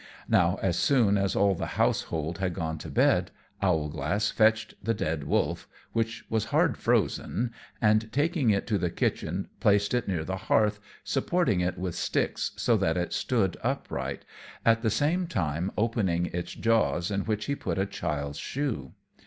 Now, as soon as all the household had gone to bed, Owlglass fetched the dead wolf, which was hard frozen, and taking it to the kitchen placed it near the hearth, supporting it with sticks so that it stood upright, at the same time opening its jaws in which he put a child's shoe.